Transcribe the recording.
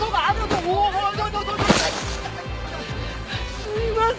すいません！